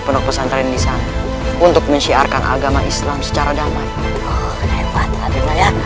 penduk pesantren di sana untuk mensyiarkan agama islam secara damai